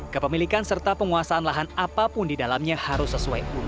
kepemilikan serta penguasaan lahan apapun di dalamnya harus sesuai